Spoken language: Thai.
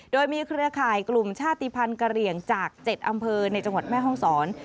โดยมีเครือข่ายกลุ่มชาติภัณฑ์กระเหลี่ยงจาก๗อำเภอในจังหวัดแม่ห้องศร